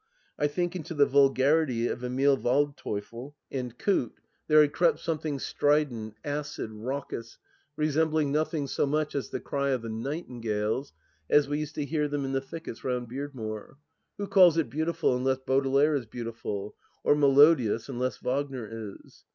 I think into the vulgarity of Emil Waldteufel and Coote 280 THE LAST DITCH there had crept something strident, acid, raucous, resemb ling nothing so much as the cry of the nightingales as we used to hear them in the thickets round ^ardmore. Who calls it beautiful, unless Baudelaire is beautifxd; or melo dious, unless Wagner is